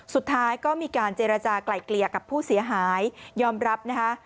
สุดท้ายก็มีการเจรจากลายเกลี่ยกับผู้เสียหายยอมรับนะคะ